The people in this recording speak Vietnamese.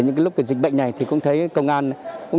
những lúc dịch bệnh này thì cũng thấy công an cũng